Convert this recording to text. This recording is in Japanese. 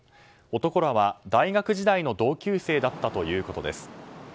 男らは大学時代の同級生だったということです。